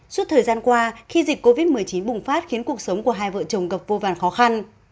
suốt thời gian qua khi dịch covid một mươi chín bùng phát khiến cuộc sống của hai vợ chồng gặp vô vàn khó khăn